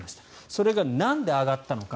それがなんで上がったのか。